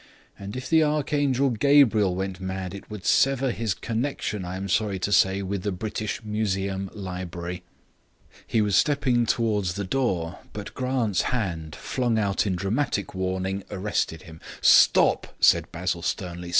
And if the Archangel Gabriel went mad it would sever his connection, I am sorry to say, with the British Museum Library." He was stepping towards the door, but Grant's hand, flung out in dramatic warning, arrested him. "Stop!" said Basil sternly.